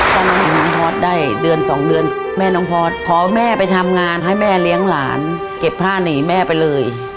ต้องหาน้องพอร์ตได้เดือนสองเดือนแม่น้องพอร์ตขอแม่ไปทำงานให้แม่เลี้ยงหลานเก็บผ้าหนีแม่ไปเลย